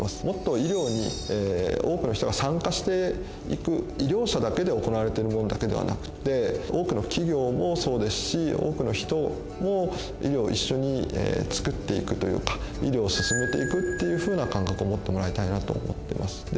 もっと医療に多くの人が参加していく医療者だけで行われてるものだけではなくて多くの企業もそうですし多くの人も医療を一緒につくっていくというか医療を進めていくっていうふうな感覚を持ってもらいたいなと思ってます。